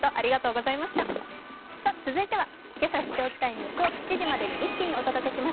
続いては、けさ知っておきたいニュースを７時までに一気にお届けします。